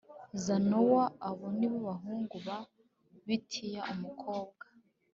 Zanowa Abo ni bo bahungu ba Bitiya umukobwa